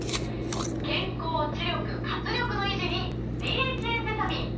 健康・知力・活力の維持に「ＤＨＡセサミン」！